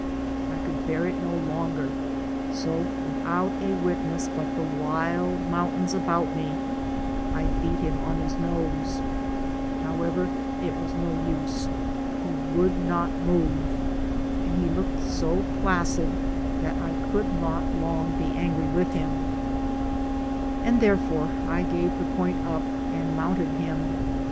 I could bear it no longer, so without a witness but the wild mountains about me, I beat him on his nose; however it was of no use, he would not move, and hfe looked so placid that I could not long be angry with him, and I therefore gave the point up and mounted him.